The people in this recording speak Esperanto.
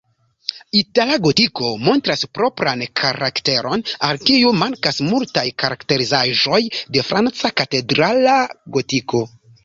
Itala gotiko montras propran karakteron, al kiu mankas multaj karakterizaĵoj de franca katedrala gotiko.